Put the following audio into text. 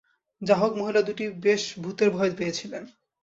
যা হোক, মহিলা দুটি বেশ ভূতের ভয় পেয়েছিলেন।